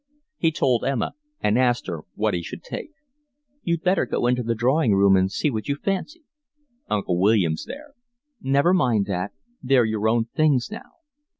He told Emma and asked her what he should take. "You'd better go into the drawing room and see what you fancy." "Uncle William's there." "Never mind that. They're your own things now."